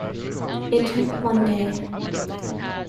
It took one day.